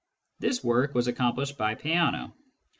This work was accomplished by Peano.